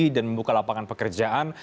dan membuka lapangan pekerjaan